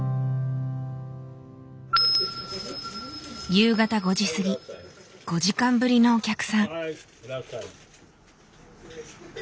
夕方５時過ぎ５時間ぶりのお客さん。